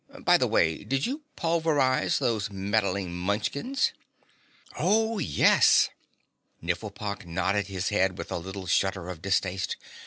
By the way, did you pulverize those meddling Munchkins?" "Oh, yes!" Nifflepok nodded his head with a little shudder of distaste.